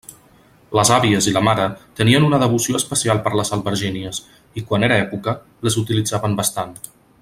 Les àvies i la mare tenien una devoció especial per les albergínies i, quan era època, les utilitzaven bastant.